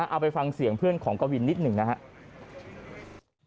เอาไปฟังเสียงเพื่อนของกวินนิดหนึ่งนะครับ